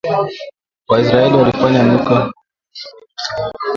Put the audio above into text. Wa isiraeli walifanya mwika makumi ine mu safari